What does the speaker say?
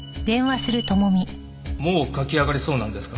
もう書き上がりそうなんですか？